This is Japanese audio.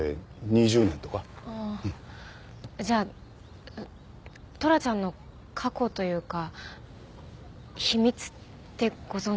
じゃあトラちゃんの過去というか秘密ってご存じですよね？